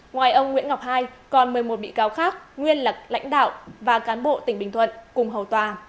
ngoài ông nguyễn ngọc hai còn một mươi một bị cáo khác nguyên là lãnh đạo và cán bộ tỉnh bình thuận cùng hầu tòa